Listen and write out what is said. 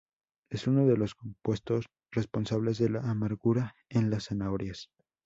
Es uno de los compuestos responsables de la amargura en las zanahorias.